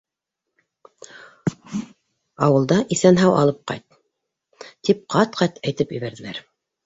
Ауылда «иҫән-һау алып ҡайт», тип ҡат-ҡат әйтеп ебәрҙеләр!